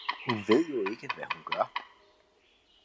hun veed jo ikke, hvad hun gjør.